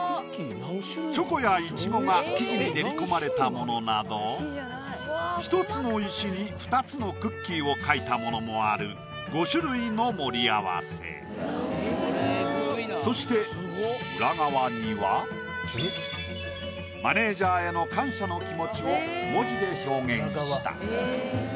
チョコやイチゴが生地に練り込まれたものなど１つの石に２つのクッキーを描いたものもあるそして裏側にはマネージャーへの感謝の気持ちを文字で表現した。